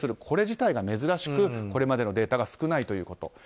これ自体が珍しくこれまでのデータが少ないということ。